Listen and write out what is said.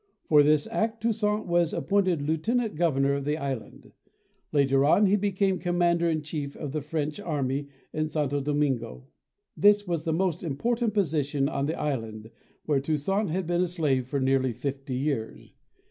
For this act Toussaint was ap pointed lieutenant governor of the island. Later TOUSSAINT I/OUVERTURE [185 on he became commander m chief of the French army in Santo Domingo. This was the most im portant position on the island where Toussaint had been a slave for nearly fifty years.